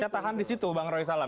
saya tahan di situ bang roy salam